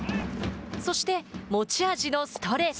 そして持ち味のストレート。